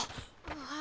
ああ。